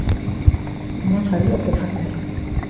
Non sabía que facer.